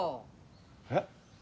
えっ？